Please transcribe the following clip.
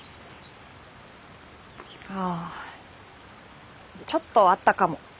ああちょっとあったかも。